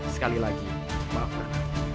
sekali lagi maafkan aku